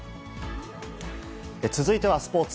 続いてはスポーツ。